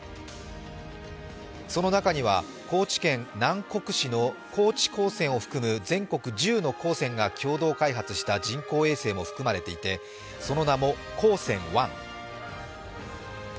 その中には、高知県南国市の高知高専を含む全国１０の高専が共同開発した人工衛星も含まれていてその名も、ＫＯＳＥＮ−１。